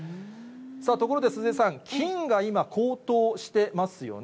さあ、ところで鈴江さん、金が今、高騰してますよね。